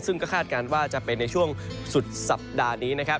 ซึ่งก็คาดการณ์ว่าจะเป็นในช่วงสุดสัปดาห์นี้นะครับ